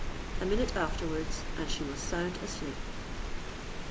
A minute afterwards—and she was sound asleep.